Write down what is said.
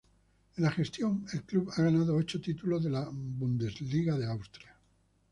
En la gestión, el club ha ganado ocho títulos de la Bundesliga de Austria.